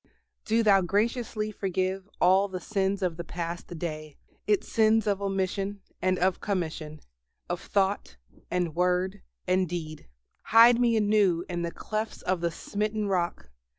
Do Thou graciously forgive all the sins of the past day, its sins of omission and of commission, of thought, and word, and deed. Hide me anew in the clefts of the Smitten Rock.